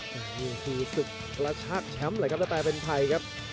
กลันชึกระชากแชมป์ทะแตนเป็นไพรครับ